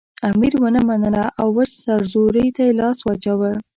امیر ونه منله او وچ سرزوری ته لاس واچاوه.